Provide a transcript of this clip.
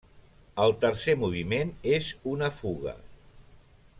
El tercer moviment és una fuga.